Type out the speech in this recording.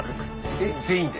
えっ全員で？